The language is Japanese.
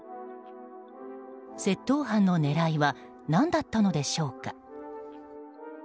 窃盗犯の狙いは何だったのでしょうか。